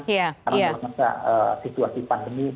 karena dalam masa situasi pandemi